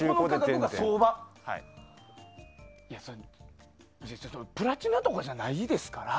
実際、プラチナとかじゃないですから。